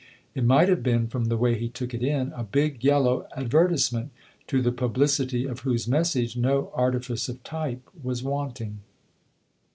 It might have been, from the way he took it in, a big yellow advertisement to the publicity of whose message no artifice of type was wanting.